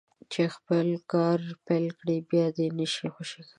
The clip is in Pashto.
چې خپل کار پيل کړي بيا دې يې نه خوشي کوي.